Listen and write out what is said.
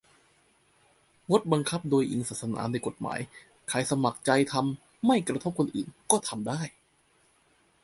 - งดบังคับโดยอิงศาสนาในกฎหมาย ใครสมัครใจทำ-ไม่กระทบคนอื่น ก็ทำได้